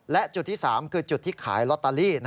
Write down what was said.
และจุดที่๓คือจุดที่ขายลอตเตอรี่